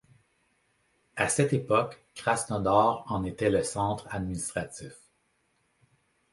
À cette époque, Krasnodar en était le centre administratif.